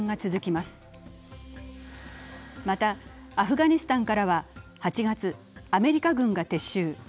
また、アフガニスタンからは８月、アメリカ軍が撤収。